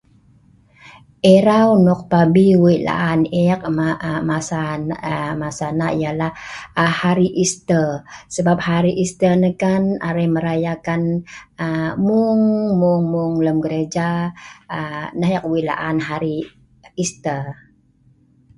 Irau nok pelabi wei laan ek masa nai, yah nah hari(siu) Easter(tooi Tuhan Yesus ) sebab(abin) hari (siu)Easter(tooi Tuhan Yesus) nai kan arai meraya( maceng/mbul) hari(siu) Easter(tooi Tuhan Yesus) mung-mung lem gereja(mak tempun) Nah ek wei laan .